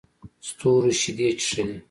ستورو شیدې چښلې